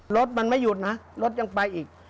รถมันไม่หยุดนะรถยังไปอีก